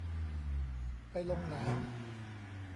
ไปลงไหน